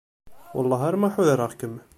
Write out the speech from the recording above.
Wellah arma ḥudreɣ-kem.